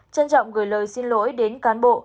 trân trọng gửi lời xin lỗi đến cán bộ